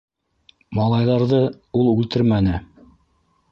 Малайҙарҙы... ул үлтермәне.